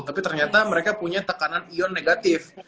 tapi ternyata mereka punya tekanan ion negatif